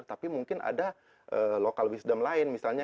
tapi mungkin ada local wisdom lain misalnya